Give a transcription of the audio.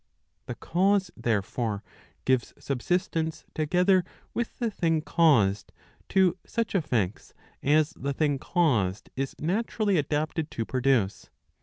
The cause, therefore, gives subsistence together with the thing caused to such effects as the thing caused is naturally adapted to produce.